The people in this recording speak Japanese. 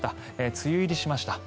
梅雨入りしました。